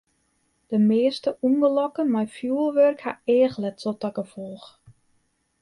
De measte ûngelokken mei fjurwurk ha eachletsel ta gefolch.